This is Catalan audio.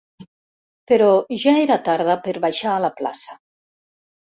Però ja era tarda per baixar a la plaça.